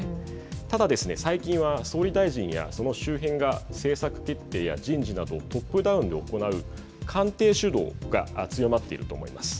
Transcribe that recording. ただ、最近は総理大臣やその周辺が政策決定や人事などトップダウンで行う官邸主導が強まっていると思います。